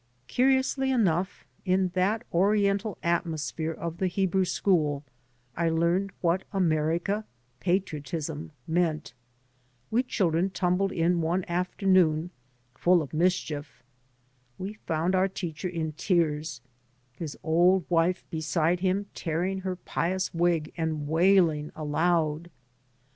Curiously enough, in that Oriental at mosphere of the Hebrew school I learned what America, patriotism, meant. We chil dren tumbled in one afternoon full of mis chief. We found our teacher in tears, his old wife beside him tearing her pious wig and wailing aloud.